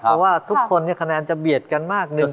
เพราะว่าทุกคนคะแนนจะเบียดกันมากหนึ่ง